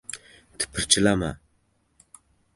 — Tipirchilama!